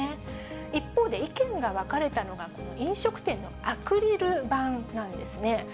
一方で、意見が分かれたのが、この飲食店のアクリル板なんですね。